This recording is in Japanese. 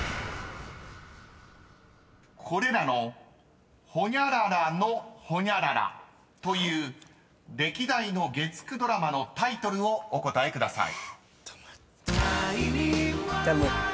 ［これらのホニャララのホニャララという歴代の月９ドラマのタイトルをお答えください］